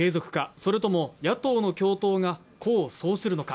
それとも野党の共闘が功を奏するのか。